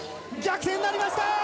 逆転になりました。